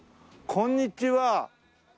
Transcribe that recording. こんにちは。